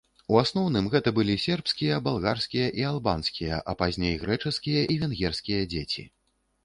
У асноўным гэта былі сербскія, балгарскія і албанскія, а пазней грэчаскія і венгерскія дзеці.